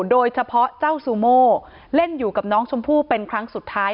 โดยเฉพาะเจ้าซูโม่เล่นอยู่กับน้องชมพู่เป็นครั้งสุดท้าย